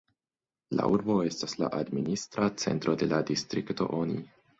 La urbo estas la administra centro de la distrikto Oni.